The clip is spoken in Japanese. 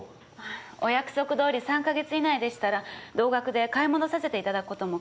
お約束どおり３か月以内でしたら同額で買い戻させていただく事も可能です。